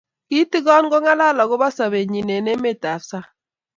kiitigon kongalal akobo sobenyi eng emet ab sang